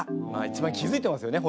一番気付いてますよね